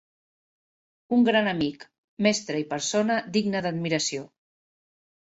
Un gran amic, mestre i persona digna d'admiració.